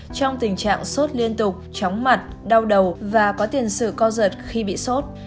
trong tình trạng sốt liên tục chóng mặt đau đầu và có tiền sự co giật